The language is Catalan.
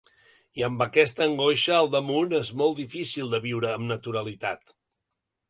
I amb aquesta angoixa al damunt és molt difícil de viure amb naturalitat.